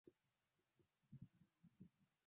Inafaa iwe ya ukweli